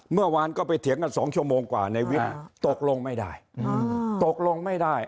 เมื่อวานก็ไปเถียงกัน๒ชั่วโมงกว่าในวิทย์ตกลงไม่ได้ตกลงไม่ได้